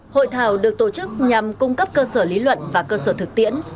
hội thảo được tổ chức nhằm cung cấp cơ sở lý luận và cơ sở thực tiễn